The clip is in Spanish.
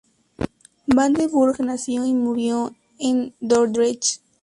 Van der Burg nació y murió en Dordrecht.